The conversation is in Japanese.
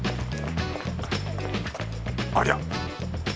ありゃ！